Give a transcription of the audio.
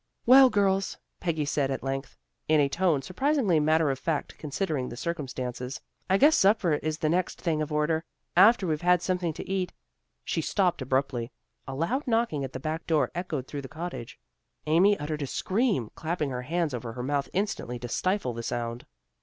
"Well, girls," Peggy said at length, in a tone surprisingly matter of fact considering the circumstances, "I guess supper is the next thing in order. After we've had something to eat " She stopped abruptly. A loud knocking at the back door echoed through the cottage. Amy uttered a scream, clapping her hands over her mouth instantly, to stifle the sound.